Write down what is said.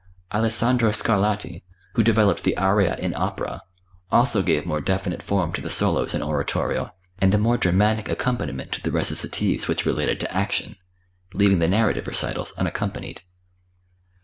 Alessandro Scarlatti, who developed the aria in opera, also gave more definite form to the solos in oratorio and a more dramatic accompaniment to the recitatives which related to action, leaving the narrative recitals unaccompanied.